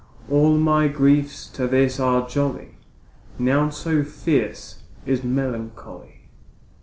All my griefs to this are jolly, Naught so fierce as melancholy.